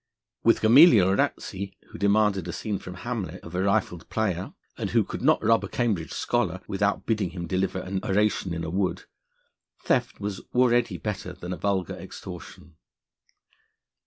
With Gamaliel Ratsey, who demanded a scene from Hamlet of a rifled player, and who could not rob a Cambridge scholar without bidding him deliver an oration in a wood, theft was already better than a vulgar extortion.